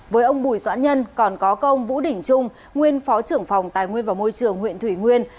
với ông bùi doãn nhân còn có công vũ đỉnh trung nguyên phó trưởng phòng tài nguyên và môi trường huyện thủy nguyên